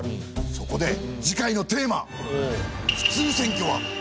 そこで次回のテーマ！